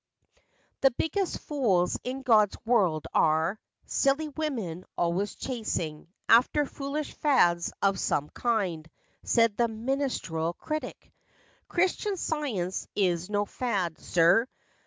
"The biggest fools in God's world are Silly women, always chasing After foolish fads of some kind," Said the ministerial critic. "Christian science is no fad, sir.